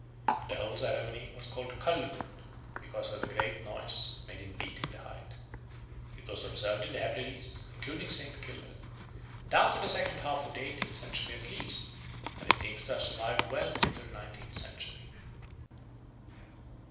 The whole ceremony was called calluinn because of the great noise made in beating the hide. It was observed in the Hebrides, including St. Kilda, down to the second half of the eighteenth century at least, and it seems to have survived well into the nineteenth century.